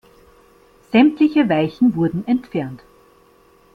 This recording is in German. Sämtliche Weichen wurden entfernt.